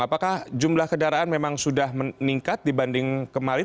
apakah jumlah kendaraan memang sudah meningkat dibanding kemarin